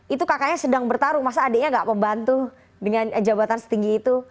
itu kakaknya sedang bertarung masa adiknya gak membantu dengan jabatan setinggi itu